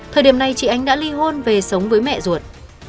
thời điểm này chị ánh đã ly hôn về sống với mẹ ruột